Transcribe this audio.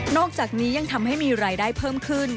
อกจากนี้ยังทำให้มีรายได้เพิ่มขึ้น